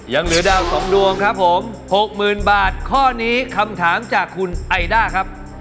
ยังเหลือดาว๒ดวงครับผม๖๐๐๐บาทข้อนี้คำถามจากคุณไอด้าครับ